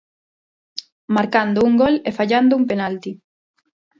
Marcando un gol e fallando un penalti.